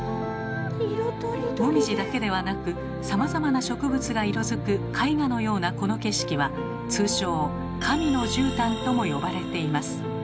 もみじだけではなくさまざまな植物が色づく絵画のようなこの景色は通称「神のじゅうたん」とも呼ばれています。